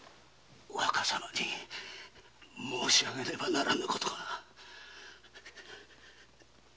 若様に申し上げねばならぬ事が。